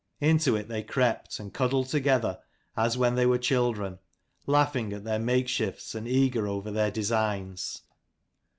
Into it they crept, and cuddled together as when they were children, laughing at their makeshifts and eager over their designs.